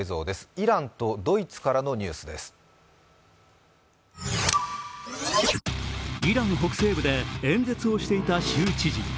イラン北西部で演説をしていた州知事。